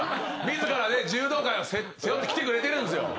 自らね柔道界を背負って来てくれてるんすよ。